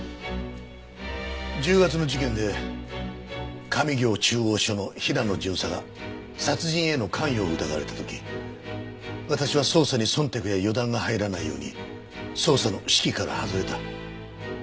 １０月の事件で上京中央署の平野巡査が殺人への関与を疑われた時私は捜査に忖度や予断が入らないように捜査の指揮から外れた。